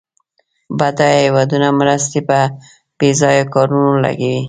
بډایه هېوادونه مرستې په بیځایه کارونو لګوي.